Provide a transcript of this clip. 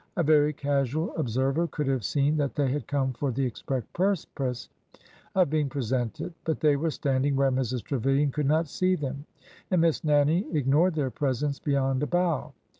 A very casual ob server could have seen that they had come for the express purpose of being presented, but they were standing where Mrs. Trevilian could not see them, and Miss Nannie ig nored their presence beyond a bow.